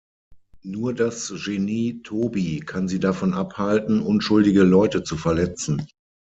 Nur das Genie Toby kann sie davon abhalten, unschuldige Leute zu verletzen.